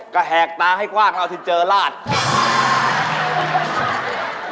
กระแหกตาให้กว้างแล้วเอาทิงเจอร์ราช